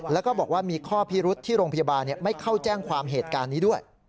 แล้วก็บอกว่ามีข้อพิรุษที่โรงพยาบาลไม่เข้าแจ้งความเหตุการณ์นี้ด้วย